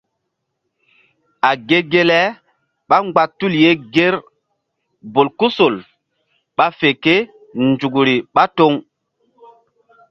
A ge ge le ɓá mgba tul ye ŋger bolkusol ɓa fe kénzukri ɓá toŋ.